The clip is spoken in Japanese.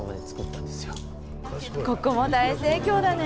ここも大盛況だね。